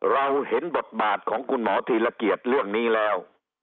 เราเห็นบทบาทของคุณหมอธีรเกียจเรื่องนี้แล้ว